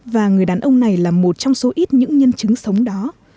và người đàn ông này là một trong số ít những nhân chứng sống đó